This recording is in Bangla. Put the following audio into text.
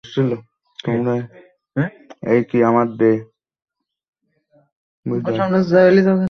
তোমরা এই নামেই ডাকো, তাইনা?